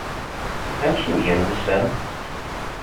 Amek i m-gan wussan?